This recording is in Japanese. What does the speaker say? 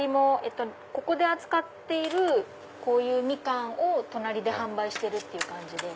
ここで扱っているこういうみかんを隣で販売してるっていう感じで。